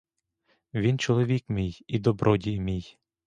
Він чоловік мій, і добродій мій.